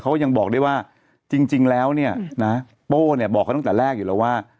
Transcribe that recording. เขายังบอกได้ว่าจริงแล้วเนี่ยนะโป้เนี่ยบอกเขาตั้งแต่แรกอยู่แล้วว่า